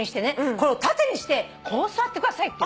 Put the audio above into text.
これを縦にしてこう座ってくださいっていうの。